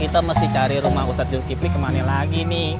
kita mesti cari rumah ustadz zulkifli kemana lagi nih